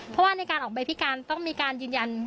เพราะว่าในการออกใบพิการต้องมีการยืนยัน